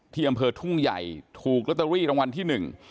ที่อำเภอทุ่งใหญ่ถูกลอตเตอรี่รางวัลที่๑